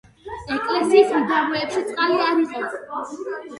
ეკლესიის მიდამოებში წყალი არ იყო.